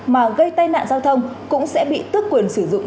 mà gây tai nạn giao thông cũng sẽ bị tước quyền sử dụng